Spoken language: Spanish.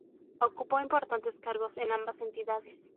Ocupó importantes cargos en ambas entidades.